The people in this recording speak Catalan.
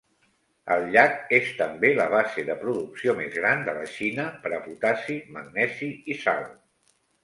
El llac és també la base de producció més gran de la Xina per a potassi, magnesi i sal.